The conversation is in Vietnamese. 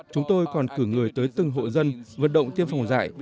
chúng tôi còn cử người tới từng hộ dân vận động tiêm phòng dạy